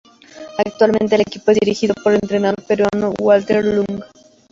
Actualmente, el equipo es dirigido por el entrenador peruano Walter Lung.